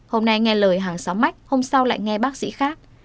hôm nay nghe lời hàng xóm mách hôm sau lại nghe bác sĩ khác